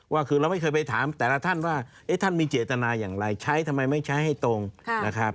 ว่าคือเราไม่เคยไปถามแต่ละท่านว่าท่านมีเจตนาอย่างไรใช้ทำไมไม่ใช้ให้ตรงนะครับ